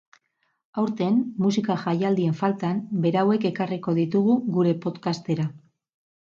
Aurten, musika jaialdien faltan, berauek ekarriko ditugu gure podcastera.